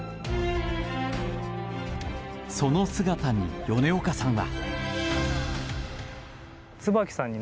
その姿に、米岡さんは。